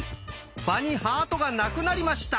場にハートがなくなりました。